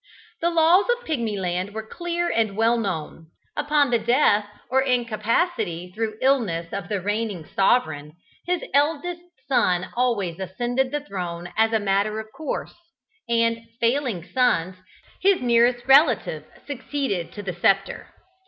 The laws of Pigmyland were clear and well known; upon the death or incapacity through illness of the reigning sovereign, his eldest son always ascended the throne as a matter of course, and, failing sons, his nearest relative succeeded to the sceptre.